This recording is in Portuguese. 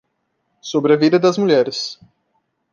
sobre a vida das mulheres